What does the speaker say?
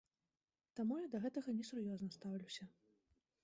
Таму я да гэтага несур'ёзна стаўлюся.